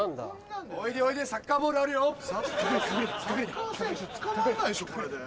サッカー選手捕まんないでしょ。